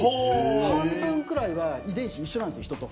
半分くらいは遺伝子一緒なんですよヒトと。